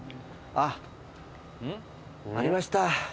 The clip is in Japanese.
えっありました？